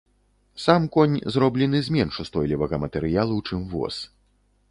Сам конь зроблены з менш устойлівага матэрыялу, чым воз.